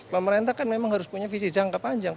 pemerintah kan memang harus punya visi jangka panjang